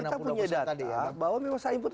kita punya data bahwa memang saya input